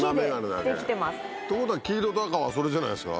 ってことは黄色と赤はそれじゃないですか？